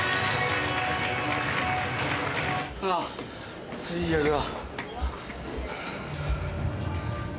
あぁ最悪だ。